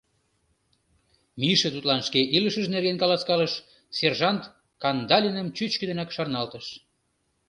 Миша тудлан шке илышыж нерген каласкалыш, сержант Кандалиным чӱчкыдынак шарналтыш.